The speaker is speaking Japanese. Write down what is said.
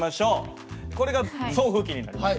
これが送風機になります。